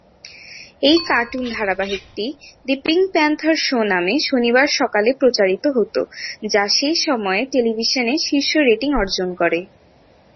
এই কার্টুন ধারাবাহিকটি "The Pink Panther Show" নামে শনিবার সকালে প্রচারিত হত, যা সে সময়ে টেলিভিশনে শীর্ষ রেটিং অর্জন করে।